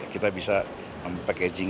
kita bisa mempakai